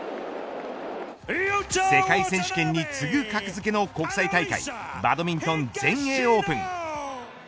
世界選手権に次ぐ格付けの国際大会バドミントン全英オープン。